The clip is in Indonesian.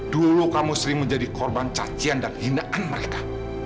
dulu kamu sering menjadi korban cacian dan hinaan mereka